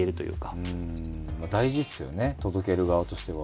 大事ですよね届ける側としては。